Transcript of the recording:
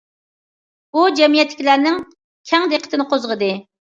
بۇ جەمئىيەتتىكىلەرنىڭ كەڭ دىققىتىنى قوزغىدى.